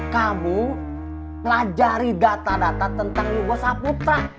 kamu pelajari data data tentang yugo sahputra